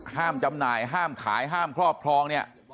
จำหน่ายห้ามขายห้ามครอบครองเนี่ย